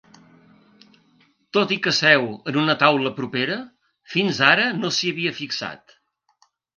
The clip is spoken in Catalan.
Tot i que seu en una taula propera, fins ara no s'hi havia fixat.